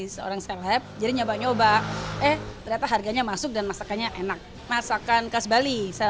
seorang seleb jadinya banyak eh ternyata harganya masuk dan masakannya enak masakan khas bali saya